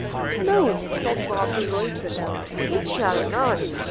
'No,' said Bob heroically; 'it shall not.